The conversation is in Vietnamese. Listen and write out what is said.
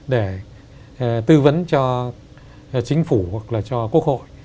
để tư vấn cho chính phủ hoặc là cho quốc hội